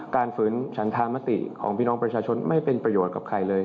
ฝืนฉันธามติของพี่น้องประชาชนไม่เป็นประโยชน์กับใครเลย